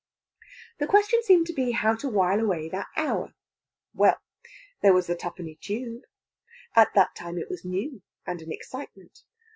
The question seemed to be how to while away that hour. Well! there was the Twopenny Tube. At that time it was new, and an excitement.